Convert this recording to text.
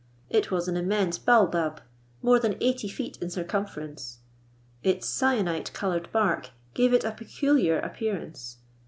It was an immense baobab, more than 80 feet in circumference. Its syenite coloured bark gave it a pecuhar appearance.